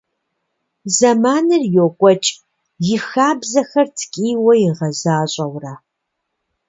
Зэманыр йокӏуэкӏ, и хабзэхэр ткӏийуэ игъэзащӏэурэ.